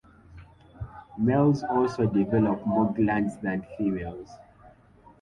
Males also develop more glands than females.